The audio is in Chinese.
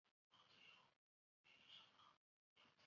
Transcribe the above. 最小的超大质量黑洞约有数十万太阳质量。